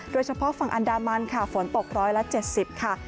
โดยเฉพาะฝั่งอันดามันค่ะฝนตกร้อยละ๗๐ค่ะ